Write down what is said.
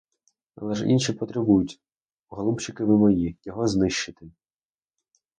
Але ж інші потребують, голубчики ви мої, його знищити!